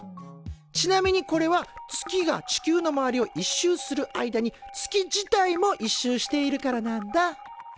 ちなみにこれは月が地球の周りを１周する間に月自体も１周しているからなんだ。